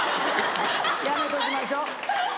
やめときましょう。